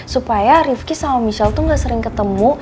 supaya rifki sama michelle itu gak sering ketemu